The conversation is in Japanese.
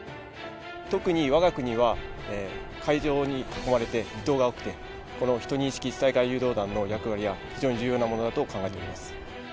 特にわが国は海上に囲まれて離島が多くて、この１２式地対艦誘導弾の役割は非常に重要なものだと考えております。